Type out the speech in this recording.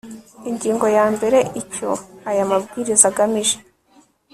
ingingo ya mbere icyo aya mabwiriza agamije